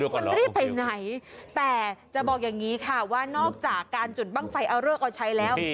มันรีบไปไหนแต่จะบอกอย่างนี้ค่ะว่านอกจากการจุดบ้างไฟเอาเลิกเอาใช้แล้ว